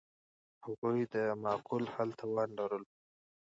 هغوی د معقول حل توان لرلو.